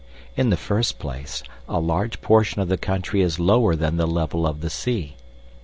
In the first place, a large portion of the country is lower than the level of the sea.